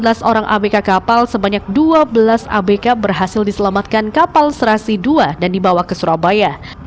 empat belas orang abk kapal sebanyak dua belas abk berhasil diselamatkan kapal serasi dua dan dibawa ke surabaya